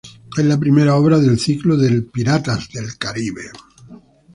Es la primera obra del ciclo del "Piratas del Caribe".